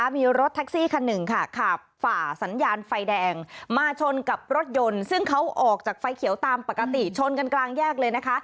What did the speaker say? มีรถแท็กซี่คันหนึ่งค่ะขับฝ่าสัญญาณไฟแดงมาชนกับรถยนต์ซึ่งเขาออกจากไฟเขียวตามปกติชนกันกลางแยกเลยนะคะ